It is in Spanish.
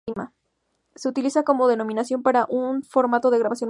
Se utiliza como denominación para un formato de grabación musical.